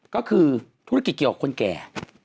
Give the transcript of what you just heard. ก็คือธุรกิจเกี่ยวกับคนแก่